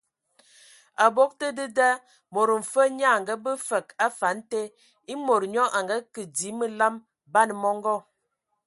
Abog te dedā, mod mfe nyaa a ngabe fəg a afan te ; e mod nyo a ngəkə dzii məlam, ban mɔngɔ.